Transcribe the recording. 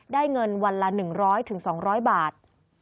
เงินวันละ๑๐๐๒๐๐บาท